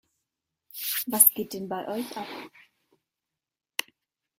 Was geht denn bei euch ab?